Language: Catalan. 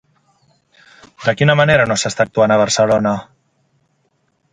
De quina manera no s'està actuant a Barcelona?